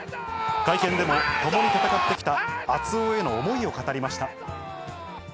会見でも、ともに戦ってきた熱男への思いを語りました。